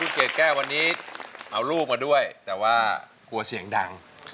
เกรดแก้ววันนี้เอาลูกมาด้วยแต่ว่ากลัวเสียงดัง